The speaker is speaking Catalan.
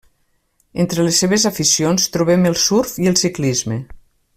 Entre les seves aficions trobem el surf i el ciclisme.